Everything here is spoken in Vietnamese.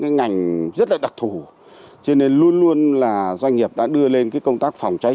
cái ngành rất là đặc thù cho nên luôn luôn là doanh nghiệp đã đưa lên cái công tác phòng cháy